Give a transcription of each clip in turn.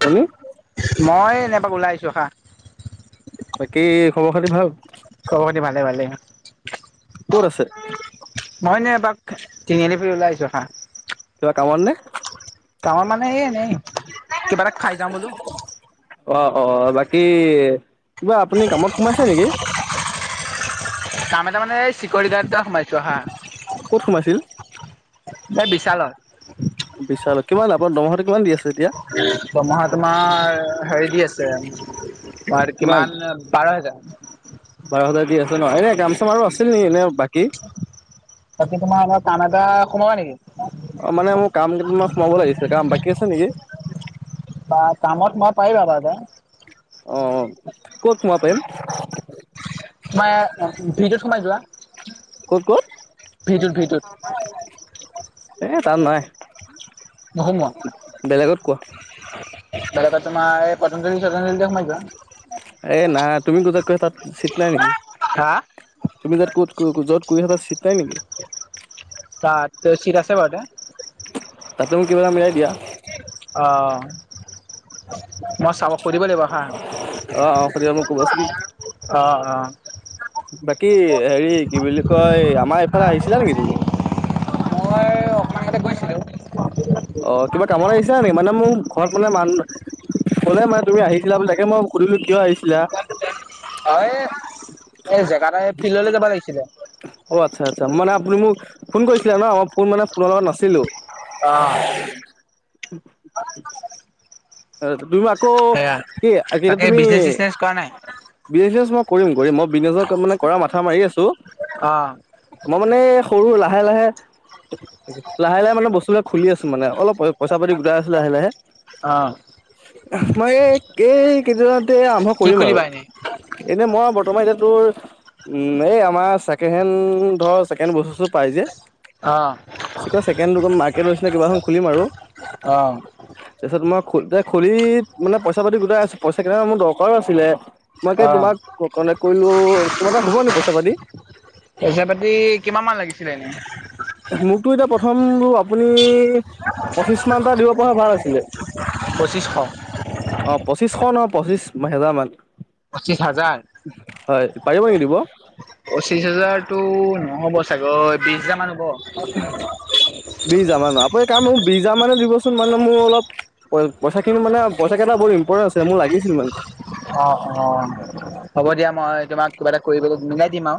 আপুনি মই এনেপাক ওলাই আহিছোঁ হা। বাকী খবৰ খাতি ভাল? খব খাতি ভালে ভালে ক'ত আছে মই এনে এপাক তিনিআলি ফালে ওলাইছো হা কিবা কামত নে? কামত মানে এই এনেই কিবা এটা খাই যাওঁ বোলো। অঁ অঁ বাকী কিবা আপুনি কামত সোমাইছে নেকি? কাম এটা মানে চিকৰি গাৰডটা সোমাইছো আহা। ক'ত সোমাইছিল এই বিশাল'ত। বিশালত কিমান আপোনাৰ দৰমহাটো কিমান দি আছে এতিয়া দৰ্মহা তোমাৰ হেৰি দি আছে অঁ কিমান বাৰ হেজাৰ। বাৰ হাজাৰ দি আছে ন এনে গাম চাম আৰু আছিল নেক এনে বাকী? তাকি তোমাৰ অলপ কাম এটা সোমাবা নেকি? অঁ মানে মোৰ কাম কেইদমান সোমাব লাগিছে কাম বাকী আছে নেকি? বা কামত মই পাৰিবা অঁ ক'ত হোমাব পাৰিম? তোমাৰ ভিডত সোমাই যোৱা। ক'ত ক'ত ভিটোত ভিটোত এ তাত নাই। নোসোমোৱা বেলেগত কোৱা। বেলেগত তোমাৰ এই পতঞ্জলি পতঞ্জলিতে সোমাই যোৱা। এ নাই তুমি য'ত তাত শীত নাই নেকি? হা তুমি যাত ক'ত য'ত কৰি আছা তাত চিট নাই নেকি? তাত' ত চিত আচেবাৰু এটা। তাতে মোক কিবা মিলাই দিয়া। অঁ মই চাৰক কৰিব লাগিব হা অ অ সুধিবা মোক ক'বাচোন অ অ কি হেৰি কি বুলি কয় আমাৰ এইফালে আহিছিলা নেকি তুমি? মই অকনমান আগতে গৈছিলো। অ কিবা কামত আহিছিলা নেকি মানে মোৰ ঘৰত মানে মানুহ ক'লে মানে তুমি আহিছিলা বুলি তাকে মই সুধিলো কিয় আহিছিলা? অ এ এই জেগাটা ফিল্ডলৈ যাব লাগিছিলে। অ আচ্ছা আচ্ছা মানে আপুনি মোক ফোন কৰিছিলে ন মই ফোন মানে ফোনৰ লগত নাছিলো। আহ উ [unintelligible] দুই আকৌ সেয়া এইতিয়া তাকে তুমি বিজনেচ চিজনেচ কৰা নাই বিজনেছ মই কৰিম কৰিম মই বিজনেছ মানে কৰা মাথা মাৰি আছো অ', মই মানে সৰু লাহে লাহে লাহে লাহে মানে বস্তুবিলাক খুলি আছো মানে অলপ পইচা পাতি গোটাই আছো লাহে লাহে। অ'। মই এই কেই কেইদিনতে আৰম্ভ কি কৰিম আৰু খুলিবা এনে এনেই মই বৰ্তমান এতিয়া। তোৰ উম এই আমাৰ ছেকেণ্ড হেণ্ড ধৰ ছেকেণ্ড বস্তু চস্ত পাই যে। অ', চেকেণ্ড হেণ্ড মাৰ্কেট নিচিনা কিবা এখন খুলিম আৰু। অ। খুলোতে খুলি মানে পইচা পাতি গোটাই আছোঁ পইচা কেইটামান মোৰ দৰকাৰো আছিলে। মই কি অ', তোমাক কণ্টেক্ট কৰিলোঁ তোমাৰ তাত হ'ব নেকি পইচা পাতি। পইচা পাতি কিমান মান লাগিছিলে এনে। মোকতো এতিয়া প্ৰথম আপুনি পঁচিশ মান এটা দিব পৰা হ'লে ভাল আছিলে। পঁচিছশ অ পঁচিশ শ নহয় পঁচিশ হেজাৰ মান। পঁচিছ হাজাৰ হয় পাৰিব নেকি দিব। পঁচিশ হাজাৰতো নহব চাগৈ বিশ হাজাৰ মান হ'ব। বিশ হাজাৰ মান আপুনি এক কাম এটা কৰক মোক বিশ হাজাৰ মানে দিবচোন। তো মানে মোৰ অলপ পইচা খিনি মানে পইচা কেইটা বহুত ইম্পৰ্টেণ্ট আছিলে মোক লাগিছিলে মানে। অ অ হ'ব দিয়া মই তোমাক কিবা এটা কৰিব মিলাই দিম আৰু।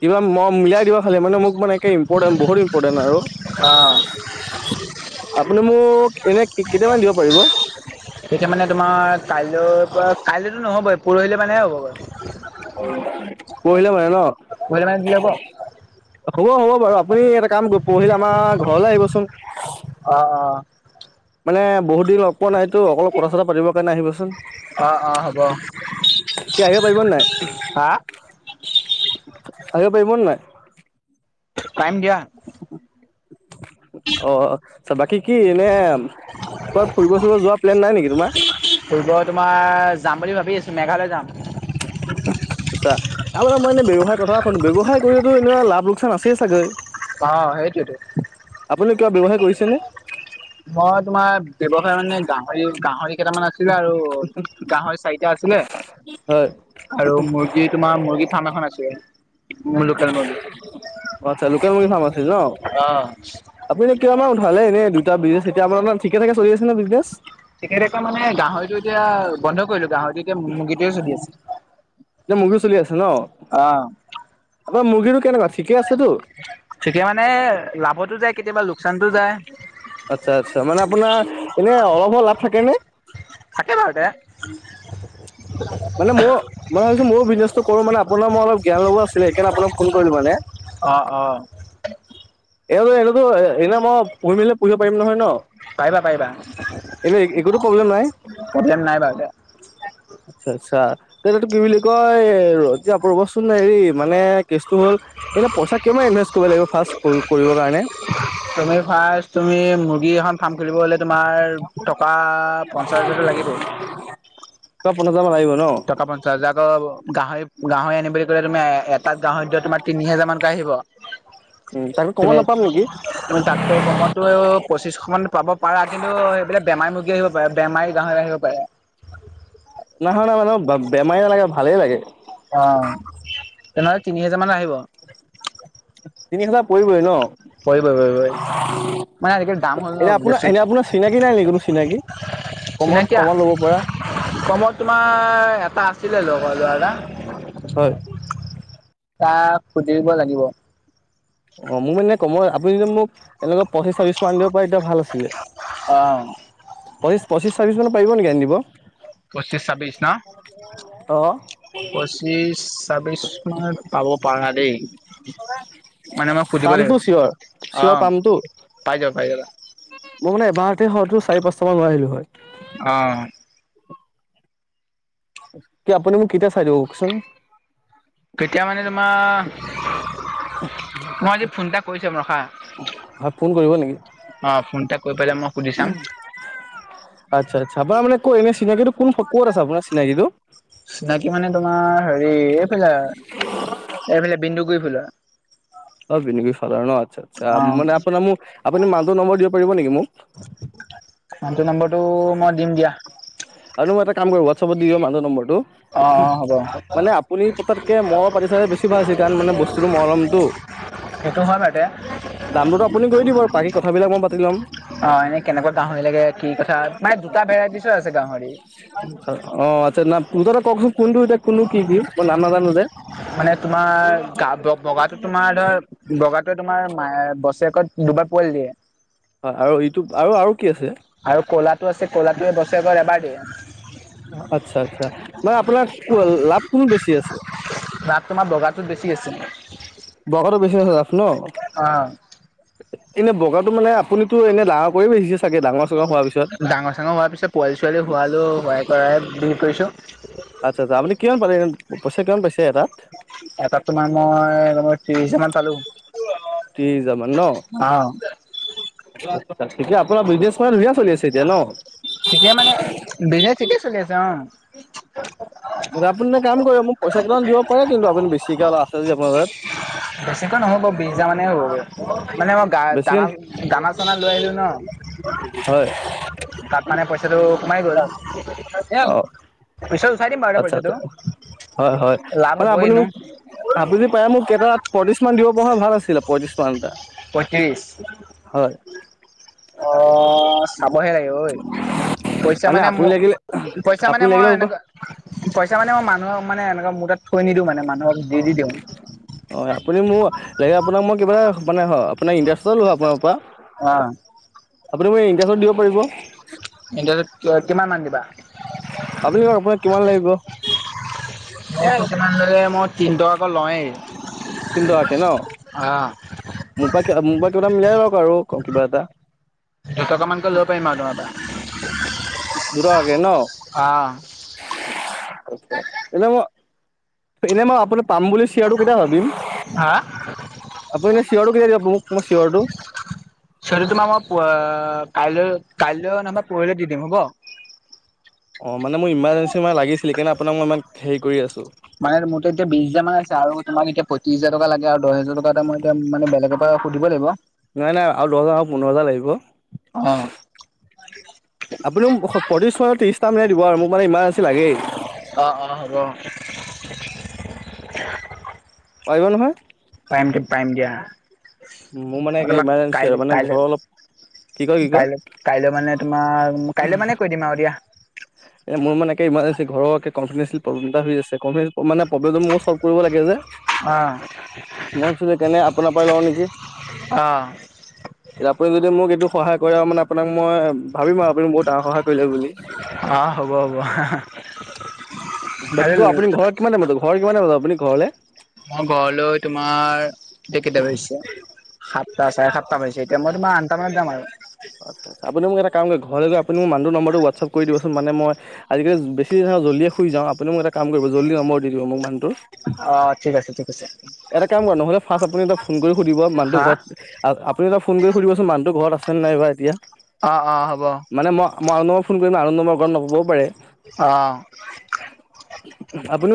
কিবা মই মিলাই দিবা খালি আৰু মানে মোক মানে ইম্পৰ্টেট বহুত ইম্পৰ্টেণ্ট আৰু। অ', আপুনি মোক এনে কেতিয়া মানে দিব পাৰিব। এতিয়া মানে তোমাৰ কাইলৈ পৰা কাইলৈতো নহ'ব পৰহিলৈ মানেহে হ'ব গৈ। পৰহিলে মানে ন। পৰহি মানে দিলে হ'ব। হ'ব হ'ব বাৰু আপুনি এটা কাম পৰহিলে আমাৰ ঘৰলৈ আহিবচোন। অ অ। মানে বহুত দিন লগ পোৱা নাইতো অকলপ কথা চথা পাতিব কাৰণে আহিবচোন। অ', অ', অ', হ'ব। কি আহিব পাৰিব নে নাই। আহিব পাৰিব নে নাই। টাইম দিয়া। অ চব বাকী কি এনে ক'ৰবাত ফুৰিব চুৰিব যোৱা প্লেন নাই নেকি তোমাৰ। ফুৰিব তোমাৰ যাম বুলি ভাবি আছোঁ মেঘালয় যাম। [unintelligible] আচ্ছা আপোনাৰ মই এনে ব্যৱসায়ৰ কথা ক'লো ব্যৱসায় কৰিলে এনেও লাভ লোকচান আছে চাগে। অ', সেইটোৱেতো। কিবা ব্যৱসায় কৰিছে নে। মই তোমাৰ ব্যৱসায় মানে গাহৰি গাহৰি কেইটামান আছিলে আৰু গাহৰি চাৰিটা আছিলে। অ। [inaudible] আৰু মুৰ্গী তোমাৰ মুৰ্গী ফাৰ্ম এখন আছে মোৰ লোকেল মুৰ্গী। অ আচ্ছা লোকেল মুৰ্গী ফাৰ্ম আছিল ন অ', আপুনি কিমান মান উঠালে এনে দু। ত বিজনেচ এতিয়া আপুনাৰ ঠিক ঠাকে চলি আছে নে বিজনেছ। ঠিকে থাকা মানে গাহৰিটো এতিয়া বন্ধ কৰিলোঁ, গাহৰিটো মুৰ্গীটোৱে চলি আছে। যে মুৰ্গী চলি আছে ন? অ'। আপোনাৰ মুৰ্গীটো কেনেকুৱা, ঠিকে আছেতো? তেতিয়া মানে লাভতো যায় কেতিয়াবা লোকচানতো যায়। আচ্ছা আচ্ছা, মানে আপোনাৰ এনে অলপো লাভ থাকে নে? থাকে ভালে। মানে ম ভাবছো ময় বিনেছতো কৰো মানে মইও মানে ময়ো, মই ভাবিছোঁ বিজনেচ কৰোঁ মানে আপোনাৰ মই অলপ জ্ঞান ল'ব আছিলে, এই কাৰনে আপোনাক ফোন কৰিলোঁ মানে। অ' অ'। এনেও এইটোতো এনে মই পঢ়ি মেলি পঢ়িব পাৰিম নহয় ন। পাৰিবা পাৰিবা এইটো একোতো প্ৰব্লেম নাই? প্ৰব্লেম নাই বাৰু দে। আচ্ছা আচ্ছা, এইটোতো কি বুলি কয় ৰ এতিয়া ৰ'ব চোন হেৰি মানে, কেছটো হ'ল এনেই পইচা কিমান ইনভেষ্ট কৰিব লাগিব ফাৰ্ষ্ট কৰি-কৰিব কাৰণে? তুমি ফাৰ্ষ্ট তুমি মুৰ্গী এখন ফাৰ্ম খুলিব হ'লে তোমাৰ টক কা পঞ্চাছ হাজাৰটো লাগিবই। টকা পঞ্চাছ হাজাৰ মান লাগিব ন? টকা পঞ্চাছ হাজাৰ যাব গাহৰি গাহৰি আনিম বুলি ক'লে তুমি এ-এটা গাহৰিত দিয়া তোমাৰ তিনি হেজাৰ মানকৈ আহিব। উম, তাতকৈ কমত তুমি নাপাম নিকি? তাতকৈ কমতটো পঁচিশ মানত পাব পাৰা কিন্তু সেইবিলাক বেমাৰী মুৰ্গী আহিব বে-বেমাৰী গাহৰি আহিব পাৰে। নহয় নাই মানে মোক ব-বেমাৰী নালাগে ভালেই লাগে। অ', তেনেহলে তিনি হেজাৰ মান আহিব। তিনি হাজাৰ পৰিবই ন'? পৰিবই পৰিবই। মানে আজিকালি দাম হ'ল এনে ন' আপোনাৰ বস্তু। এনে আপোনাৰ চিনাকি নাই নেকি কোনো চিনাকি কমত চিনাকী, কমত ল'ব পৰা কমত তোমাৰ এটা আছিলে লগৰ ল'ৰা এটা। হয়। তাক সুধিব লাগিব। অ', মোক মানে কমৰ আপুনি যে মোক এনেকুৱা পঁচিছ, চাৰ্ভিছ মান আনি দিব পৰি তেতিয়া ভাল আছিলে। অ', পঁচিছ, চাৰ্ভিশ মানত পাৰিব নেকি? দিব পঁচিছ চাৰ্ভিশ অ ন', পঁচিছ চাৰ্ভিছ মানত পাব পাৰা দেই, মানে মই সুধিব লাগিব। চিঞৰ অ', পাম তো? পাই যাবা, পাই যাবা। মই মানে এবাৰতে হয়তো চাৰি-পাছটা মান লৈ আহিলো হয়। অ'। কি আপুনি মোক কিতিয়া চাই দিব কওঁকচোন? কেতিয়া মানে মা, মই আজি ফোন এটা কৰি চাম ৰখা। হয় ফোন কৰিব নেকি অ', ফোন এটা কৰি পেলাই মই সুধি চাম। চাবা মানে, কৈ এনেই চিনাকিটো কোন ক'ত আছে আপোনাৰ চিনাকিটো? চিনাকি মানে তোমাৰ, হেৰি এইফালে এইফালে বিন্দুগুৰি ফালে। অ', বিন্দুগুৰি ফালে ন' আচ্ছা আচ্ছা, অ'। মানে আপোনাৰ মোক আপুনি মানুহটোৰ নম্বৰ দিব পাৰিব নিকি মোক? মানুহটোৰ নম্বৰটো মই দিম দিয়া। আৰু এটা কাম কৰিব হোৱাটছেপত দি দিব মানুহজৰ নম্বৰটো অ', লো, অ', হ'ব মানে আপুনি পতাত কে মই পাতি চালে বেছি ভাল আছিলে কাৰণ মানে বস্তুটো মই ল'মটো। সেইটো হয় বাৰু তে দামটো তো আপুনি কৰি দিব, বাকী কথাবিলাক মই পাতি ল'ম। অ', এনে কেনেকুৱা গাহৰি লাগে কি কথা, মানে দুটা ভেৰাইটিছৰ আছে গাহৰি। অঁ আচ্ছা। তোৰ ত তা'ত কোনটো এতিয়া কোনটো কি' কি' মই নাজানো যে? মানে তোমাৰ গা বগাটো তোমাৰ ধৰ বগাটো তোমাৰ মাহে বছেৰেক'ত দুবাৰ পোৱালি দিয়ে। হয়, আৰু ইটো আৰু আৰু কি আছে আৰু কলাটো আছে কলাটো বছৰেক'ত এবাৰ দিয়ে। আচ্ছা আচ্ছা। মানে আপোনাৰ লাভ কোনটো বেছি আছে? লাভ তোমাৰ বগাটোত বেছি আছে। বগাটো বেছি আছে লাভ ন'। অ এনেই বগাটো মানে আপুনিটো এনেই ডাঙৰ কৰি পাইছে চাগে ডাঙৰ। চাঙৰ হোৱাৰ পিছত ডাঙৰ চাঙৰ হোৱাৰ পিছত পোৱালি ছোৱালী হোৱা লৈকে হোৱাই কৰাই বিক্ৰি কৰিছো। আচ্ছা আচ্ছা। আপুনি কিমান পালে পইচা কিমান পাইছে? এটাত এটাত তোমাৰ মই ত্ৰিশ হাজাৰ মান পালো। ত্ৰিশ হাজাৰ মান ন'। অ ঠিকেই আপোনাৰ বিজনেছখন ধুনিয়া চলি আছে এতিয়া ন'। যাওঁ। মানে আপুনি এটা কাম কৰিব মোক পইচা কেইটামান দিব পাৰে কিন্তু আপুনি বেছিকেল আছে যে আপোনাৰ তাত। বেছিকে নহব বিশ হাজাৰ মানে হ'বগৈ মানে মই গা বেছিকে দানা দানা চানা লৈ আহিলো ন। হয় তাত মানে পইচাটো কমাই গল অ' পছ আচ্ছা আচ্ছা, হয় হয় লাভ মানে হ'বই আপুনি ন মোক আপুনি পাৰে মোক কেইটাত পঁত্ৰিচ মান দিব পৰা হলে ভাল আছিলে পঁত্ৰিশ মান এটা। হয় পঁয়ত্ৰিছ? অ। অ চাবহে লাগে ঐ, পইচা মানে ম আপুনি লাগিলে পইচা মানে আপুনি মই লাগিলে মোৰ পৰা এনেকুৱা পইচা মানে মই মানুহক মানে এনেকুৱা মোৰ তাত থৈ নিদিও মানে, মা অ আপুনি মোৰ লে আপোনাক মই কিবা এটা মানে আপোনাৰ ইণ্টাৰেষ্টত ল আপোনাৰ পৰা, অ আপুনি মোক ইণ্টাৰেষ্টত দিব পাৰিব? ইণ্টাৰেট কি কিমান মান দিবা? আপুনি কওক আপোনাক কিমান লাগিব? তিনি টকাকৈ লৱেই তিনি টকাকে ন অ মোৰ পৰা মোৰ পৰা কিব এটা মিলাই লক আৰু কিবা এটা। দু টকা মানকৈ লব পাৰিম আও তোমাৰ পৰা। দুটকাকে ন? অ এনেই মই এনেই মই আপুনি পাম বুলি শ্বেয়াৰটো কেতিয়া ভাবিম? হা? আপুনি এনে চিয়ৰটো কেতিয়া দিব মোক, মোৰ চিয়ৰটো? চিয়ৰলী তোমাক মই প কাইলৈ কাইলৈ নাইবা পৰিলৈ দি দিম হ'ব? অ মানে মোৰ ইমাৰ্জেঞ্চি মানে লাগিছিলি কিণে আপোনাক মই ইমান হেৰি কৰি আছো। মানে মোৰ তাত এতিয়া বিশ হাজাৰ মান আছে আৰু তোমাক এতিয়া পঁত্ৰিছ হাজাৰ টকা লাগে আৰু দহ হাজাৰ টকা এ মই এতিয়া মানে বেলেগৰ পৰা অ সুধিব লাগিব। নাই নাই আৰু দহ হাজাৰ পোন্ধৰ হাজাৰ লাগিব। অ। আপুনি মোক পঁইত্ৰিছ মানত ত্ৰিশটা মানে দিব আৰু মোক মানে ইমাৰ্জেঞ্চি লাগেই। আহ আহ হব। পাৰিব নহয় টাইম টাইম দিয়া। মোৰ মানে মই একে তোমাক ইমাৰ্জেঞ্চি কাইলৈ আৰু মানে কাইলৈ ঘৰৰ অলপ কি কয় কি কয় কাইলৈ কাইলৈ মানে তোমাৰ কাইলৈ মানে কৈ দিম আৰু দিয়া। এ মোৰ মানে একে ইমাৰ্জঞ্চি ঘৰ প্ৰব্লেম এটা হৈ আছে, প্ৰবলেম মোৰ চল্ভ কৰিব লাগে যে। আহ। মই ভাবিছিলোঁ সেইকাৰণে আপোনাৰ পাই লওঁ নেকি? এতি আপুনি যদি মোক এইটো সহায় কৰে আও, মানে আপোনাক মই ভাবিম আৰু আপুনি বহুত সহায় কৰিলে বুলি। অ হ'ব হ'ব। আৰু বাকী তো আপুনি ঘৰ কিমানটাই বাব ঘৰ কিমান বজাব আপুনি ঘৰলে? মই ঘৰলৈ তোমাৰ এতিয়া কেইটা বাজিছে সাতটা চাৰে সাতটা বাজিছে। তে ম মই আন্তটা মানত যাম আৰু। আচ্ছ। আপুনি মোক এটা কাম [unintelligible] ঘৰলে আপুনি মোক মানুহটোৰ নাম্বাৰটো হোৱাটছআ কৰি দিবোন, মানে মই আজি কালি বেছি জলিয়ে শুই যাওঁ। অ আপুনি মোক এটা কাম কৰিব জল্দি নম্বৰ দি দিব মোক মানুহটোৰ। অ', ঠিক আছে ঠিক আছে। এটা কাম কৰে নহলে ফাৰ্ষ্ট আপুনি এটা। ফোন কৰি সুধিব মানুতটো হা ঘৰত আপুনি এটা ফোন কৰি সুধিবচোন মানুহটো ঘৰত আছে নে নাই বা এতিয়া? অ', অ', হ'ব। অ'। মানে মই মই নম্বৰত ফোন কৰিম নম্বৰ ঘৰত নপ'বও পাৰে। অ', আপুনি।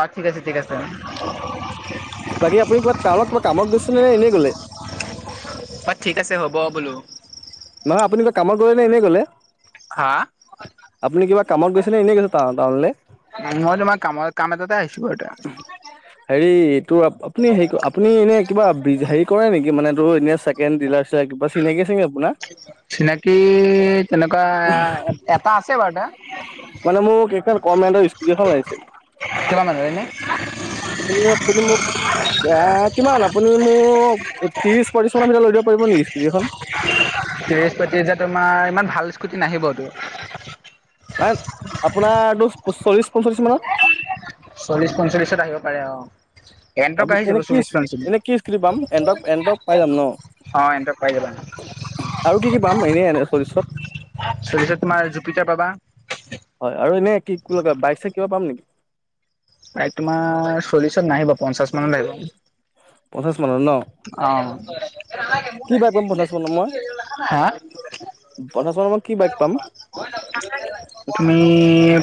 অ ঠিক আছে ঠিক আছে। বাকী আপুনি কিবা টাউনত কিবা কামত গৈচিলে নে এনেই গলে? অঁ ঠিক আছে হ'ব বোলো। হয় আপুনি যে কামত গ'লে এনে গ'লে। হা। আপুনি কিবা কামত গৈছিলে এনেই গৈছে টা টাউনলে। মই তোমাৰ কামৰ কাম এটাতে আহিছোঁ। এই এইটো আপুনি হেৰি আপুনি এনে, কিবা হেৰি কৰে নেকি মানে টো এনে চেকেণ্ড হেণ্ড ডিলাৰ চিলাৰ। চিনাকি আছে নেকি আপোনাৰ। চিনাকি তেনেকুৱা এটা আছে বাৰু এটা। মানে মোক এখন ইষ্টলমেণ্টত ইস্কুটি এখন লাগিছিল। কিমান মান হয় এনে আপুনি ইস্কুটি মোক। এ কিমান আপুনি মোক ত্ৰিশ পঁয়ত্ৰিশ মানৰ ভিতৰত লৈ দিব পাৰিব নেকি ইস্কুটি এখন। ত্ৰিশ পঁত্ৰিশ তোমাৰ ইমান ভাল ইস্কুটি নাহিবতো। মানে আপোনাৰো চল্লিশ পঞ্চল্লিশ মানত। চল্লিশ পঞ্চল্লিশত আহিব পাৰে অ। এণ্টক আহি তাৰপিছ যাব এনে কি চল্লিশ পঞ্চল্লিশ এনে কি পাম এনডপ এনডপ পাই যাম ন। অ এণ্টক পাই যাবা আৰু কি কি পাম এনে এনে চল্লিশত। চল্লিশত তোমাৰ জুপিটাৰ পাবা। হয় আৰু এনেই কি কি বাইক চাইক কিবা পাম নেকি। তোমাৰ চল্লিশত নাহিবা পঞ্চাশ মানত আহিব। ‍ পঞ্চাছ মানত ন। অ কি বাইক পাম পঞ্চাশ মানত মই হা। পঞ্চাশ মানত মই কি বাইক পাম তুমি।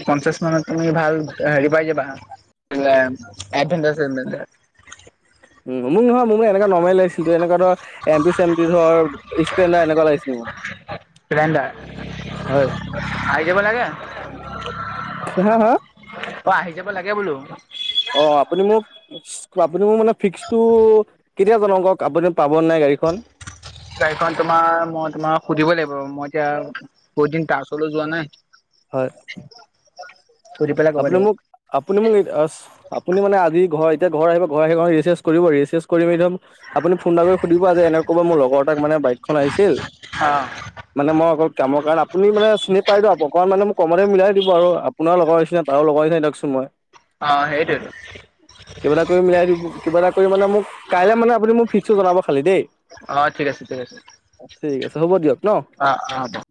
পঞ্চাছ মানত তুমি ভাল হেৰি পাই যাবা। এডভেঞ্চাৰ চেটভেঞ্চাৰ। উম, মোক নহয় মোৰ এনেকা নৰ্মেল লাগিছিল, এনেকুৱা ধৰ এম পি চেম পি ধৰ স্প্লেণ্ডাৰ এনেকুৱা লাগিছিল মোক। হয়। স্পিলেণ্ডাৰ আহি যাব লাগে। হা হা। অ আহি যাব লাগে বোলো। অ' আপুনি মোক আপুনি মোক মানে ফিক্সটো কেতিয়া জনাও কওক আপুনি পাব নাই গাড়ীখন। গাড়ীখন তোমাৰ মই তোমাক সুধিবই লাগিব। মই এতিয়া বহুত দিন তাছলৈ যোৱা নাই। হ'য়। হোৱা টো। [unintelligible] আপুনি মোক আপুনি মোক আপুনি মানে আজি ঘৰত। এতিয়া ঘৰ আহিব ঘৰ‌ আহি ৰেষ্ট টেষ্ট কৰিব ৰেষ্ট টেষ্ট কৰি একদম। আপুনি ফোন এটা কৰি সুধিব যে এনে ক'ব, মোৰ লগৰ এটাক তাক মানে বাইক এখন লাগিছিল। অ মানে মই অকল কামৰ কাৰণে। আপুনি মানে চিনি পাই দিয়ক অকণমান আপুনি মানে চিনি পায়, ত অকমান মানে কমতে মিলাই দিব আৰু আপোনাৰ লগৰ নিচিনা তাৰ লগৰ নিচিনা দিয়কচোন মই। অ সেইটোৱেতো কিবা এটা কৰি মিলাই দিব কিবা এটা কৰি মানে মোক, কাইলে মানে আপুনি মোক ফিক্সটো জনাব খালি দে। অ', ঠিক আছে, ঠিক আছে। ঠিক আছে, হ'ব দিয়ক। ন অ', অ', হ'ব।